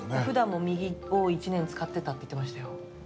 ふだんも右を１年使ってたって言ってましたよ。